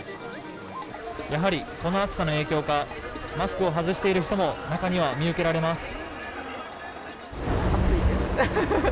やはり、この暑さの影響かマスクを外している人も中には見受けられます。